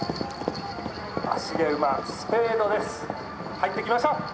入ってきました。